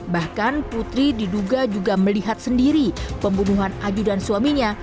bahkan putri diduga juga melihat sendiri pembunuhan ajudan suaminya